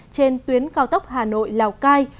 trên tuyến cao tốc hà nội lào cai